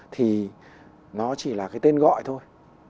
thì nó chỉ là cái tên gọi thôi